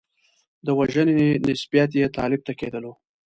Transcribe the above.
د وژنې نسبیت یې طالب ته کېدلو.